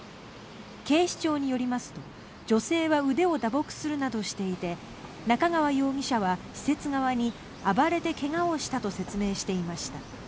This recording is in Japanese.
警視庁によりますと女性は腕を打撲するなどしていて中川容疑者は施設側に暴れて怪我をしたと説明していました。